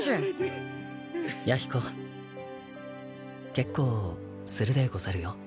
結構するでござるよ。